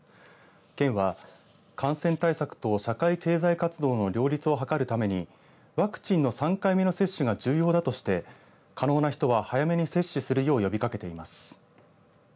県は感染対策と社会経済活動の両立を図るためにワクチンの３回目の接種が重要だとして可能な人は早めに接種するよう呼びかけています。